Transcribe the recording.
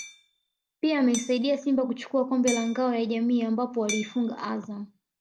pia ameisaidia Simba kuchukua kombe la Ngao ya Jamii ambapo waliifunga Azam